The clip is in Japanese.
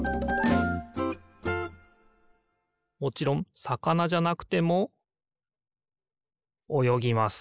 もちろんさかなじゃなくてもおよぎます